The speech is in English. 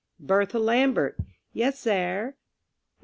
"Bertha Lambert."... "Yes, 'air."